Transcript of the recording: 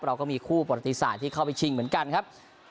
เราก็มีผู้ปฏิสาแห่งเข้าไปชิงเหมือนกันครับ